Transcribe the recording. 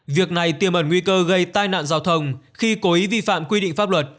việc này tiêm ẩn nguy cơ gây tai nạn giao thông khi cố ý vi phạm quy định pháp luật